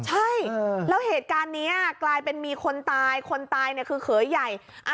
ใช่แล้วเหตุการณ์นี้กลายเป็นมีคนตายคนตายเนี่ยคือเขยใหญ่